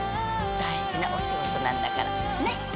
大事なお仕事なんだから。ね？